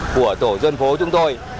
của tổ dân phố chúng tôi